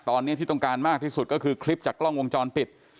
ตอนนี้ที่ต้องการมากที่สุดก็คือคลิปจากกล้องวงจรปิด